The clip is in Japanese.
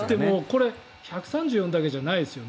これ１３４だけじゃないですよ。